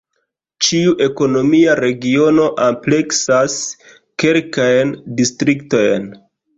Ĉiu ekonomia regiono ampleksas kelkajn distriktojn.